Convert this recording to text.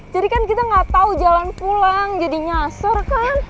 jadi kan kita gak tahu jalan pulang jadi nyasar kan